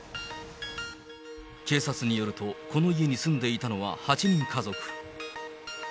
警察によると、この家に住んでいたのは８人家族。